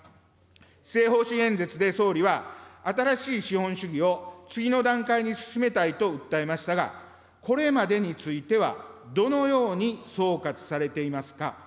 施政方針演説で総理は、新しい資本主義を次の段階に進めたいと訴えましたが、これまでについては、どのように総括されていますか。